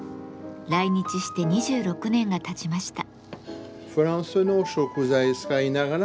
来日して２６年がたちました。